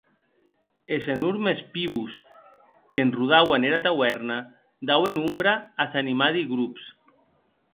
Es enòrmes pibos qu’enrodauen era tauèrna dauen ombra as animadi grops.